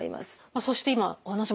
そして今お話も出ました